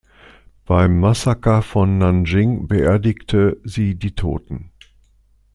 Beim Massaker von Nanjing beerdigte sie die Toten.